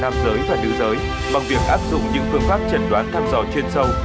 nam giới và nữ giới bằng việc áp dụng những phương pháp chẩn đoán thăm dò chuyên sâu